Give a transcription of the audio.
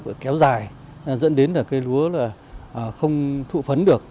vừa kéo dài dẫn đến là cây lúa là không thụ phấn được